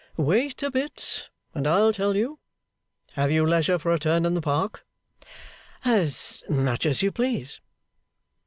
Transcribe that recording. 'Wait a bit, and I'll tell you. Have you leisure for a turn in the Park?' 'As much as you please.